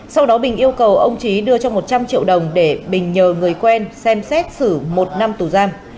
sau đó bình yêu cầu ông trí đưa cho một trăm linh triệu đồng để bình nhờ người quen xem xét xử một năm tù giam